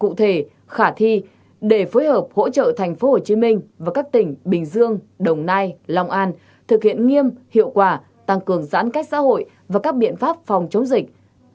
sáu ủy ban nhân dân tp hcm ủy ban nhân dân các tỉnh bình dương đồng nai long an thực hiện nghiêm hiệu quả tăng cường giãn cách xã hội và các biện pháp phòng chống dịch